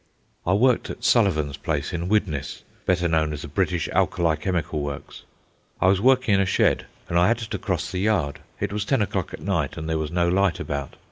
I worked at Sullivan's place in Widnes, better known as the British Alkali Chemical Works. I was working in a shed, and I had to cross the yard. It was ten o'clock at night, and there was no light about.